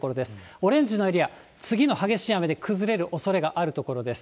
オレンジのエリア、次の激しい雨で崩れるおそれがある所です。